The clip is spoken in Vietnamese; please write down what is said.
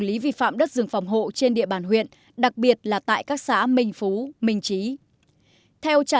lý vi phạm đất rừng phòng hộ trên địa bàn huyện đặc biệt là tại các xã minh phú minh trí theo trả